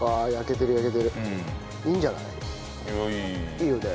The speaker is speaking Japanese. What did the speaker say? いいよね。